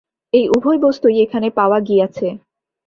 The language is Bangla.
এই উভয় বস্তুই এখানে পাওয়া গিয়াছে।